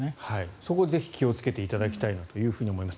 そこを、ぜひ気をつけていただきたいなと思います。